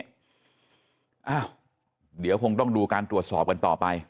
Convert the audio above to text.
อ้าวเดี๋ยวคงต้องดูการตรวจสอบกันต่อไป